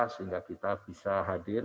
sehingga kita bisa hadir